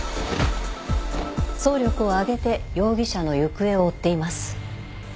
総力を挙げて容疑者の行方を追っています。